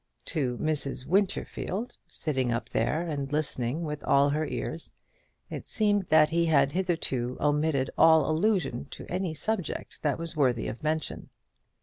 To Mrs. Winterfield, sitting up there and listening with all her ears, it seemed that he had hitherto omitted all allusion to any subject that was worthy of mention.